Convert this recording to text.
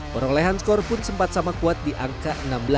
perolehan skor pun sempat sama kuat di angka enam belas